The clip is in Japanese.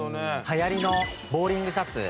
流行りのボーリングシャツ